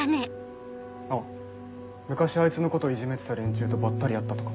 あっ昔あいつのこといじめてた連中とばったり会ったとか？